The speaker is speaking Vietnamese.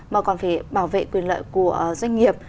mà còn phải bảo vệ quyền lợi của doanh nghiệp